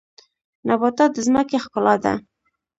نباتات د ځمکې ښکلا ده